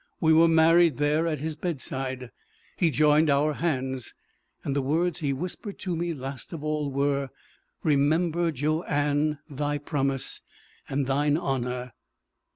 We were married there at his bedside. He joined our hands. And the words he whispered to me last of all were: 'Remember Joanne thy promise and thine honour!'"